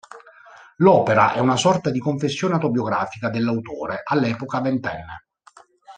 L'opera è una sorta di confessione autobiografica dell'autore, all'epoca ventenne.